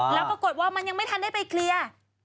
แล้วปรากฏว่ามันยังไม่ทันได้ไปเคลียร์